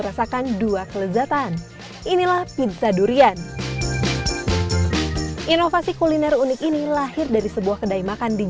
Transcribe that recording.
rasa asin dari keju dan rasa manis dari durian ternyata cukup cocok gitu untuk dimakan